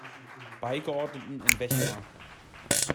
Beigeordneten in Wechmar.